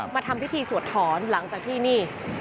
ทำพิธีสวดถอนหลังจากที่นี่